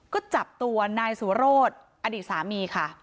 ก็จับตัวนายสุโรธอดีตสามีค่ะ